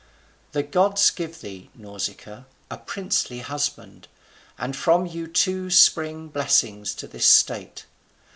The gods give thee, Nausicaa, a princely husband; and from you two spring blessings to this state."